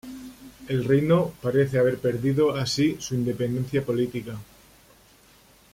El reino parece haber perdido así su independencia política.